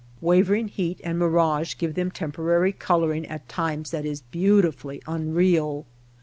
Wavering heat and mirage give them temporary coloring at times that is beautifully unreal.